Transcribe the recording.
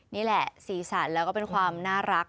นี่แหละสีสันแล้วก็เป็นความน่ารัก